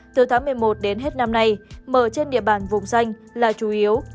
từ tháng một mươi một đến hết năm nay mở trên địa bàn vùng xanh là chủ yếu